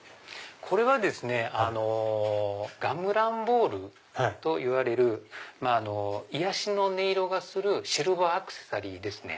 これはですねガムランボールといわれる癒やしの音色がするシルバーアクセサリーですね。